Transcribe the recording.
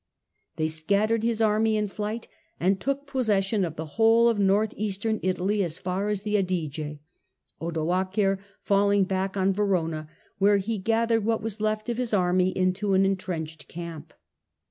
They scattered his army in flight and took possession of the whole of North eastern Italy as far as the Adige, Odoacer falling back on Verona, where he gathered what was left of his army into an entrenched camp.